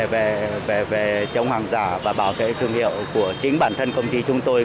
về chống hàng giả và bảo vệ thương hiệu của chính bản thân công ty chúng tôi